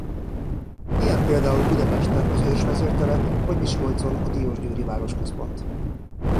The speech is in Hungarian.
Ilyen például Budapesten az Örs vezér tere vagy Miskolcon a diósgyőri városközpont.